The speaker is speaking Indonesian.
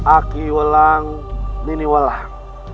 aku berlindung ke sini